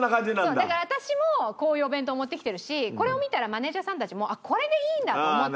だから私もこういうお弁当を持ってきてるしこれを見たらマネージャーさんたちもこれでいいんだ！と思って。